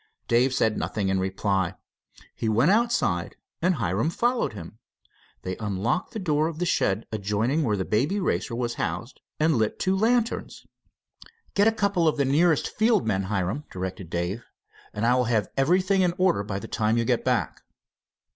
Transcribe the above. Dave said nothing in reply. He went outside, and Hiram followed him. They unlocked the door of the shed adjoining where the Baby Racer was housed, and lit two lanterns. "Get a couple of the nearest field men, Hiram," directed Dave, "and I will have everything in order by the time you get back."